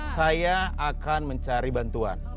saya akan mencari bantuan